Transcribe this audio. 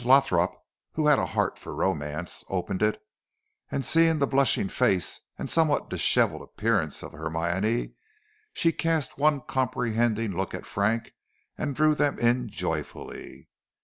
Lothrop, who had a heart for romance, opened it, and seeing the blushing face and somewhat dishevelled appearance of Hermione, she cast one comprehending look at Frank, and drew them in joyfully.